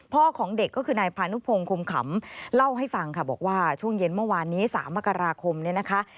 ของเด็กก็คือนายพานุพงศ์คมขำเล่าให้ฟังค่ะบอกว่าช่วงเย็นเมื่อวานนี้๓มกราคมเนี่ยนะคะ